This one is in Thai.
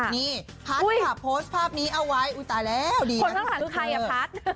นี่พัทค่ะโพสต์ภาพนี้เอาไว้อุ๊ยตายแล้วคนข้างหลังคือใครอะพัท